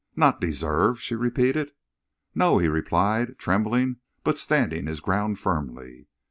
"Not deserve?" she repeated. "No!" he replied, trembling but standing his ground firmly.